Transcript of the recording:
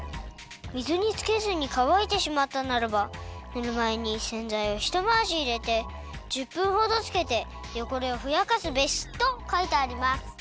水につけずにかわいてしまったならばぬるまゆにせんざいをひとまわしいれて１０分ほどつけてよごれをふやかすべし」とかいてあります！